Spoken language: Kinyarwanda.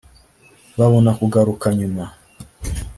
babona kugaruka nyuma